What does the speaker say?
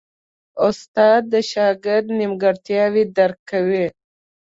استاد د شاګرد نیمګړتیاوې درک کوي.